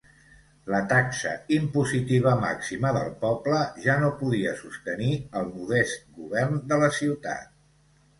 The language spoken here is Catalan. La taxa impositiva màxima del "Poble" ja no podia sostenir al modest govern de la ciutat.